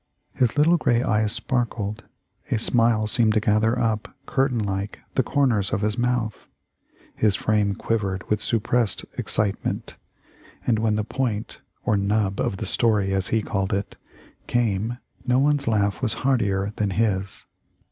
His little gray eyes sparkled; a smile seemed to gather up, cur tain like, the corners of his mouth; his frame quiv ered with suppressed excitement; and when the point — or "nub" of the story, as he called it — came, no one's laugh was heartier than his.